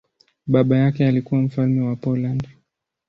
Baba yake alikuwa mfalme wa Poland.